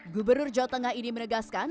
gubernur jawa tengah ini menegaskan